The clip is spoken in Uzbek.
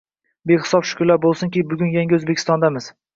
Behisob shukrlar boʻlsinki, bugun yangi Oʻzbekistondamiz